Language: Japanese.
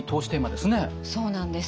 そうなんです。